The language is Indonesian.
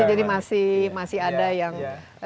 jadi masih ada yang